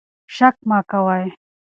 شک مه کوئ.